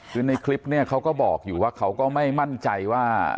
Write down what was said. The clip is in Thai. คือในคลิปเนี่ยเขาก็บอกอยู่ว่าเขาก็ไม่มั่นใจว่า